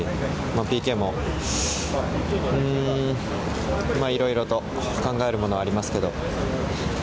ＰＫもいろいろと考えるものはありますけど。